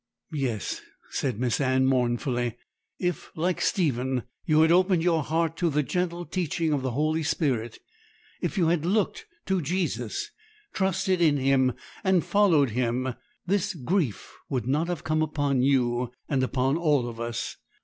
'Yes,' said Miss Anne mournfully; 'if, like Stephen, you had opened your heart to the gentle teaching of the Holy Spirit, if you had looked to Jesus, trusted in Him, and followed Him, this grief would not have come upon you and upon all of us.